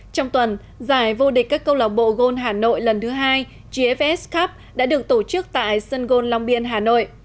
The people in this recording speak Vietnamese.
trong tuần giải vô địch các câu lạc bộ gôn hà nội lần thứ hai gfs cup đã được tổ chức tại sân gôn long biên hà nội